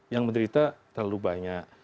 yang menderita terlalu banyak